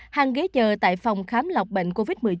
hàng ghế giờ tại phòng khám lọc bệnh covid một mươi chín